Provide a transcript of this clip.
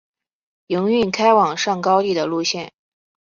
营运开往上高地的路线。